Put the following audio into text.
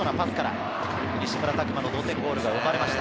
西村拓真の同点ゴールが生まれました。